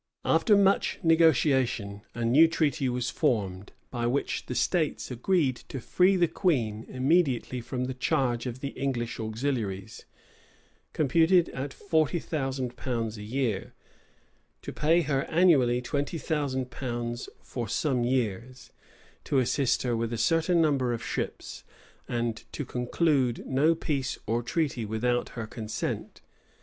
{1595.} After much negotiation, a new treaty was formed, by which the states engaged to free the queen immediately from the charge of the English auxiliaries, computed at forty thousand pounds a year; to pay her annually twenty thousand pounds for some years; to assist her with a certain number of ships; and to conclude no peace or treaty without her consent.